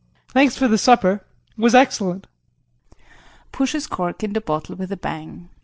Thanks for the supper it was excellent. [Pushes cork in the bottle with a bang.